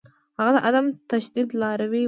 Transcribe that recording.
هغه د عدم تشدد لاروی و.